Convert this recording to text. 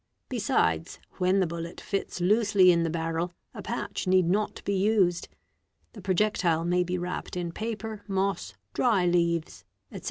Besides, when the bullet fits loosely in the barrel, a patch need not be used; the projectile may be wrapped in paper, moss, dry leaves, etc.